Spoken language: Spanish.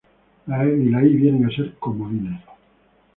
La e y la i vienen a ser comodines.